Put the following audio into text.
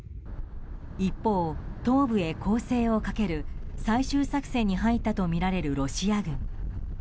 一方、東部へ攻勢をかける最終作戦に入ったとみられるロシア軍。